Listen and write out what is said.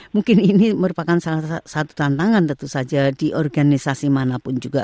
mungkin ini merupakan salah satu tantangan tentu saja di organisasi manapun juga